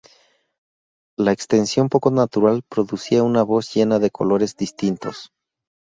La extensión poco natural producía una voz llena de colores distintos.